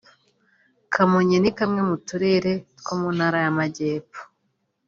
Kamonyi ni kamwe mu turere two mu Ntara y’Amajyepfo